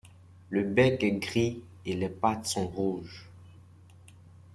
Le bec est gris et les pattes sont rouges.